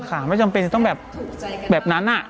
ค่ะไม่จำเป็นต้องแบบแบบนั้นอะ